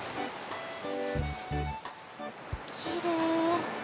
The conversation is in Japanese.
きれい。